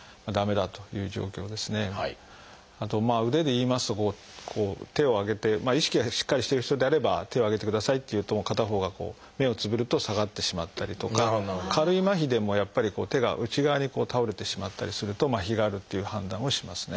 あと腕でいいますと手を上げて意識がしっかりしてる人であれば「手を上げてください」って言うと片方がこう目をつぶると下がってしまったりとか軽いまひでもやっぱり手が内側に倒れてしまったりするとまひがあるっていう判断をしますね。